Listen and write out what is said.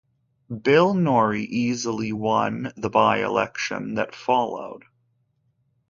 Bill Norrie easily won the by-election that followed.